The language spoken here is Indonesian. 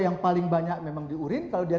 yang paling banyak memang diurin kalau dia